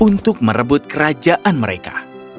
untuk merebut kerajaan mereka